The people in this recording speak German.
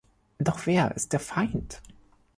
Doch wer ist der Feind?